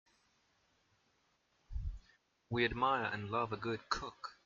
We admire and love a good cook.